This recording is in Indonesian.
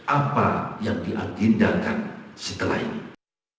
apa yang diagendakan setelah ini